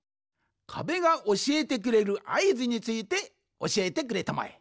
かべがおしえてくれるあいずについておしえてくれたまえ。